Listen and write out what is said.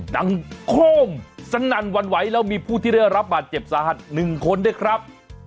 โค้มสนั่นวันไหวแล้วมีผู้ที่ได้รับบาดเจ็บสาหัส๑คนด้วยครับ